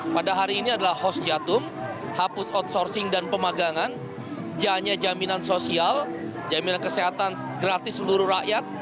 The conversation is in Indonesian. pada hari ini adalah host jatum hapus outsourcing dan pemagangan janya jaminan sosial jaminan kesehatan gratis seluruh rakyat